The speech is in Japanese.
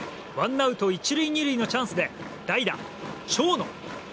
ワンアウト１塁２塁のチャンスで代打、長野。